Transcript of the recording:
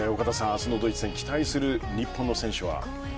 明日のドイツ戦期待する日本の選手は？